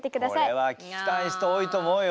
これは聞きたい人多いと思うよ。